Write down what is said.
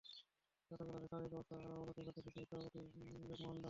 গতকাল রাতে শারীরিক অবস্থার আরও অবনতি ঘটে বিসিসিআই সভাপতি জগমোহন ডালমিয়ার।